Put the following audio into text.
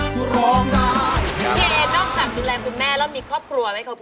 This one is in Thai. พี่แอดนอกจากดูแลคุณแม่แล้วคุณมีครอบครัวไหม